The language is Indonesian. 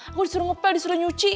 aku disuruh ngepel disuruh nyuci